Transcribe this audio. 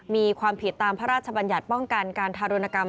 มีความผิดตามพระราชบัญญัติป้องกันการทารุณกรรม